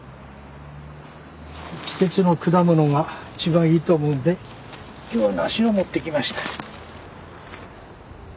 季節の果物が一番いいと思うんで今日はナシを持ってきました。